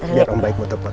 biar om baik mau tepat